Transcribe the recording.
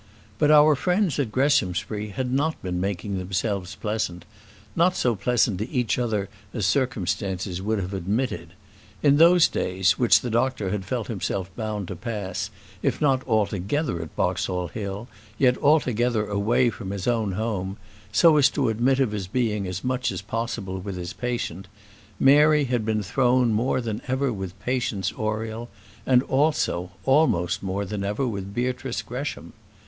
But our friends at Greshamsbury had not been making themselves pleasant not so pleasant to each other as circumstances would have admitted. In those days which the doctor had felt himself bound to pass, if not altogether at Boxall Hill, yet altogether away from his own home, so as to admit of his being as much as possible with his patient, Mary had been thrown more than ever with Patience Oriel, and, also, almost more than ever with Beatrice Gresham.